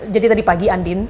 jadi tadi pagi andien